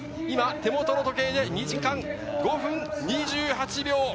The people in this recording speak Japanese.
今、手元の時計で２時間５分２８秒。